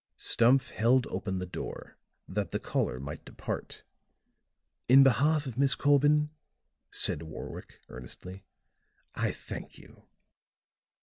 Stumph held open the door that the caller might depart. "In behalf of Miss Corbin," said Warwick, earnestly, "I thank you."